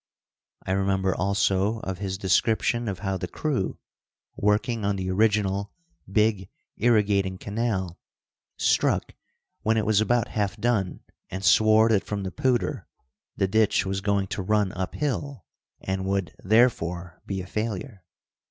I remember, also, of his description of how the crew, working on the original big irrigating canal, struck when it was about half done, and swore that from the Poudre the ditch was going to run up hill, and would, therefore, be a failure.